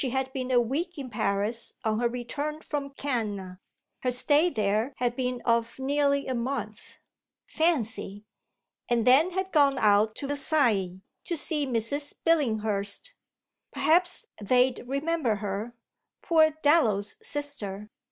She had been a week in Paris on her return from Cannes her stay there had been of nearly a month: fancy! and then had gone out to Versailles to see Mrs. Billinghurst. Perhaps they'd remember her, poor Dallow's sister.